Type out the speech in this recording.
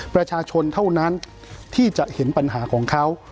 ประชาชนเท่านั้นที่จะเห็นปัญหาของเขา